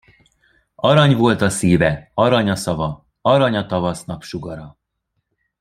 Arany volt a szíve, arany a szava, arany a tavasz napsugara.